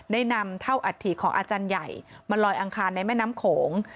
ได้นำเท่าอัฐิของอาจารย์ใหญ่มาลอยอังคารในแม่น้ำโขง